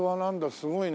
すごいね。